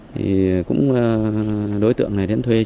thì cũng đối tượng này đến thuê trọ